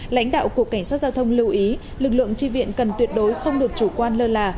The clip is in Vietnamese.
lãnh đạo cục cảnh sát giao thông lưu ý lực lượng tri viện cần tuyệt đối không được chủ quan lơ là